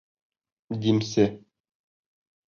Димсе.